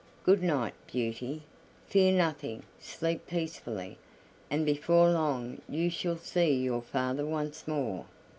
Good night, Beauty. Fear nothing, sleep peacefully, and before long you shall see your father once more."